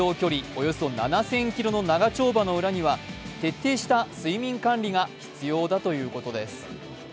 およそ７０００ｋｍの長丁場の裏には徹底した睡眠管理が必要だということです。